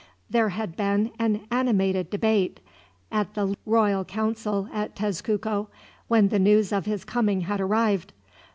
There had been an animated debate, at the royal council at Tezcuco, when the news of his coming had arrived.